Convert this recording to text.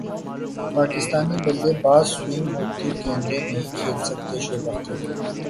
پاکستانی بلے باز سوئنگ ہوتی گیندیں نہیں کھیل سکتے شعیب اختر